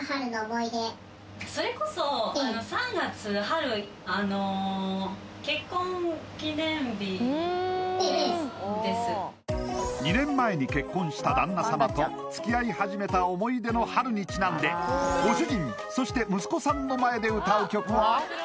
春あの２年前に結婚した旦那様と付き合い始めた思い出の春にちなんでご主人そして息子さんの前で歌う曲は？